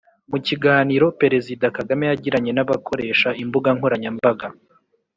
mu kiganiro perezida kagame yagiranye n’abakoresha imbuga nkoranyambaga